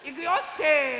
せの！